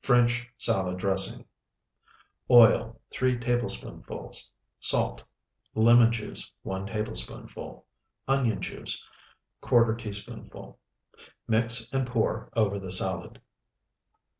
FRENCH SALAD DRESSING Oil, 3 tablespoonfuls. Salt. Lemon juice, 1 tablespoonful. Onion juice, ¼ teaspoonful. Mix and pour over the salad.